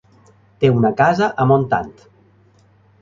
Té una casa a Montant.